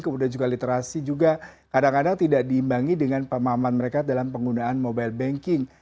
kemudian juga literasi juga kadang kadang tidak diimbangi dengan pemahaman mereka dalam penggunaan mobile banking